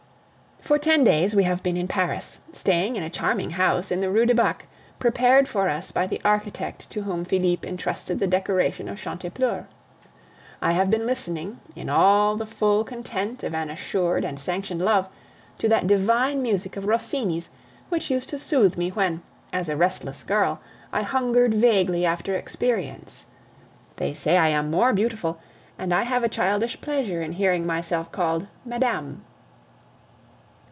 For ten days we have been in Paris, staying in a charming house in the Rue du Bac, prepared for us by the architect to whom Felipe intrusted the decoration of Chantepleurs. I have been listening, in all the full content of an assured and sanctioned love, to that divine music of Rossini's, which used to soothe me when, as a restless girl, I hungered vaguely after experience. They say I am more beautiful, and I have a childish pleasure in hearing myself called "Madame."